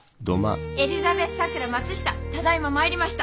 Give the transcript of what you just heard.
エリザベス・さくら・松下ただいま参りました。